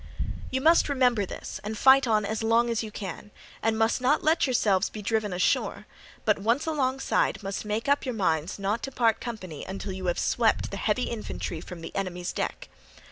"You must remember this and fight on as long as you can, and must not let yourselves be driven ashore, but once alongside must make up your minds not to part company until you have swept the heavy infantry from the enemy's deck.